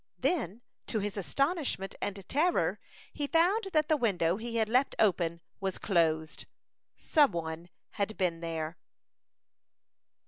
Then, to his astonishment and terror, he found that the window he had left open was closed. Some one had been there.